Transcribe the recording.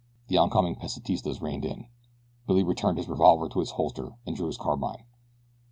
The oncoming Pesitistas reined in. Billy returned his revolver to its holster and drew his carbine.